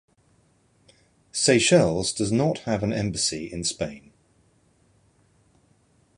Seychelles does not have an embassy in Spain.